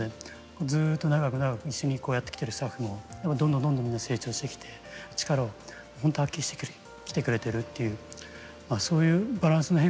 ずっと長く長く一緒にやってきてるスタッフもどんどんみんな成長してきて力をほんと発揮してきてくれてるというそういうバランスの変化ですかね。